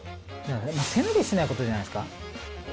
背伸びしないことじゃないですか。